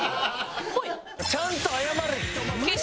「ちゃんと謝れ」って。